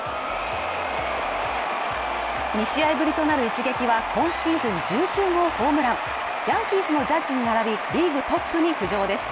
２試合ぶりとなる一撃は今シーズン１９号ホームランヤンキースのジャッジに並びリーグトップに浮上です。